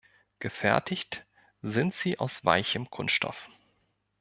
Gefertigt sind sie aus weichem Kunststoff.